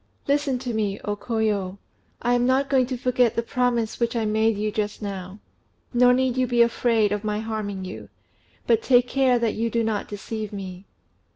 "Listen to me, O Koyo! I am not going to forget the promise which I made you just now; nor need you be afraid of my harming you; but take care that you do not deceive me."